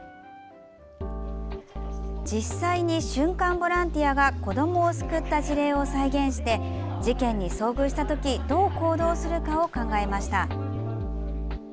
実際に瞬間ボランティアが子どもを救った事例を再現して事件に遭遇したときどう行動するかを考えました。